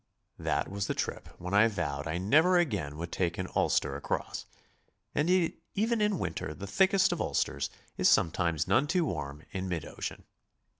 That was the trip when I vowed I never again would take an ulster across, and yet even in August the thickest of ulsters is sometimes none too warm in mid ocean.